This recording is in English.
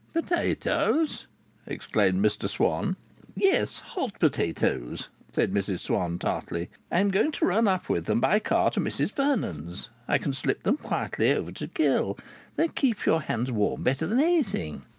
"Potatoes?" exclaimed Mr Swann. "Yes, hot potatoes," said Mrs Swann, tartly. "I'm going to run up with them by car to Mrs Vernon's. I can slip them quietly over to Gil. They keep your hands warm better than anything.